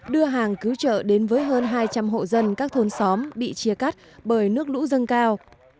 đưa hàng cứu trợ đến với hơn hai trăm linh hộ dân các thôn xóm bị chia cắt bởi nước lũ dâng cao